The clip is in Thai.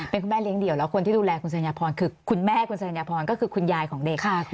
เป็นคุณแม่เลี้ยเดี่ยวแล้วคนที่ดูแลคุณสัญญาพรคือคุณแม่คุณสัญญพรก็คือคุณยายของเด็ก